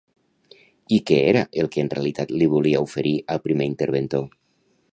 I què era el que en realitat li volia oferir al primer interventor?